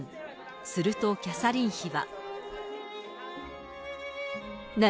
するとキャサリン妃は。